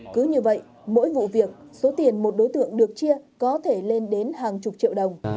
cứ như vậy mỗi vụ việc số tiền một đối tượng được chia có thể lên đến hàng chục triệu đồng